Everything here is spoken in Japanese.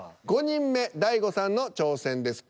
５人目大悟さんの挑戦です。